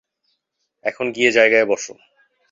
এখন গিয়ে জায়গায় বসো।